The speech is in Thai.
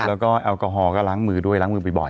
แล้วก็แอลกอฮอลก็ล้างมือด้วยล้างมือบ่อย